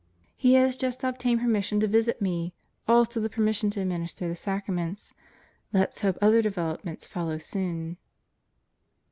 He has just obtained permission to visit me, also the permission to administer the sacra ments. Let's hope other developments follow soon.